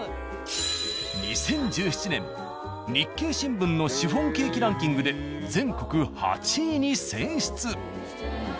２０１７年日経新聞のシフォンケーキランキングで全国８位に選出。